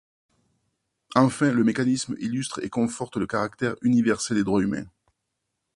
Enfin, le mécanisme illustre et conforte le caractère universel des droits humains.